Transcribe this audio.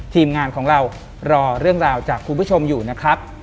ทีมงานของเรารอเรื่องราวจากคุณผู้ชมอยู่นะครับ